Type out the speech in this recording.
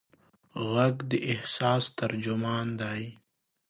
غږ د احساس ترجمان دی.